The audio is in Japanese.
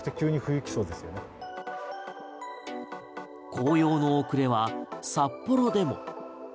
紅葉の遅れは札幌でも。